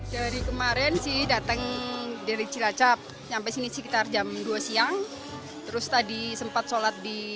dari kemarin sih datang dari cilacap sampai sini sekitar jam dua siang terus tadi sempat sholat di